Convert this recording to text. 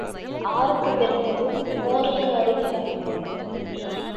ஆருக்குப் பிறந்து மோருக்கு அழுகிறாய்?